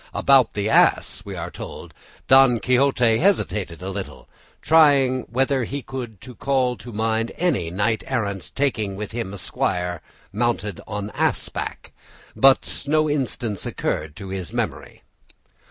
"About the ass," we are told, "Don Quixote hesitated a little, trying whether he could call to mind any knight errant taking with him an esquire mounted on ass back; but no instance occurred to his memory."